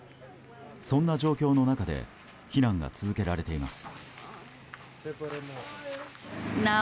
そんな状況の中で避難が続けられています。